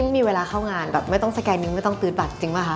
มีเวลาเข้างานแบบไม่ต้องสแกนนึงไม่ต้องตื๊ดบัตรจริงป่ะค